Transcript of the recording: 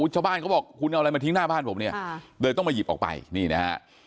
เขาบอกคุณเอาอะไรมาทิ้งหน้าบ้านผมเนี่ยเลยต้องมาหยิบออกไปนี่นะฮะ